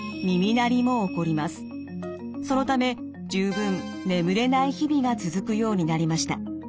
そのため十分眠れない日々が続くようになりました。